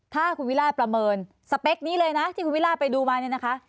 ถ้าคุณวิราชประเมินสเปคนี้เลยนะที่คุณวิราชไปดูมาเนี่ยนะคะ